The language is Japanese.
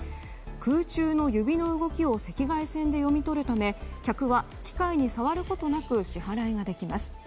空中の指の動きを赤外線で読み取るため客は機械に触ることなく支払いができます。